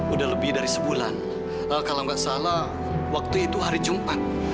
udah lebih dari sebulan kalau nggak salah waktu itu hari jumat